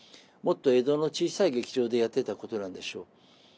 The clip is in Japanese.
もっと江戸の小さい劇場でやってたことなんでしょう。